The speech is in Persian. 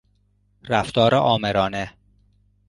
رفتار آمرانه